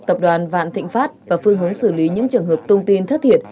tập đoàn vạn thịnh pháp và phương hướng xử lý những trường hợp thông tin thất thiệt